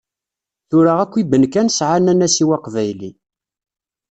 Tura akk ibenkan sεan anasiw aqbayli.